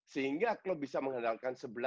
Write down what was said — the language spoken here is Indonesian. sehingga klopp bisa mengandalkan sebelah